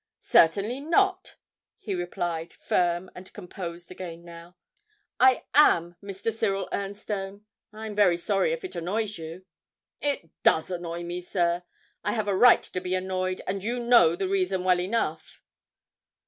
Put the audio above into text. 'Certainly not,' he replied, firm and composed again now. 'I am Mr. Cyril Ernstone. I'm very sorry if it annoys you.' 'It does annoy me, sir. I have a right to be annoyed, and you know the reason well enough!'